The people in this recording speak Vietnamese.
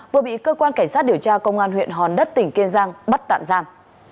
vừa bị cơ quan cảnh sát điều tra công an huyện hòn đất tỉnh kiên giang bắt tạm giam